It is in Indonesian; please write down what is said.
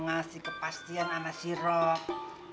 ngasih kepastian sama si robi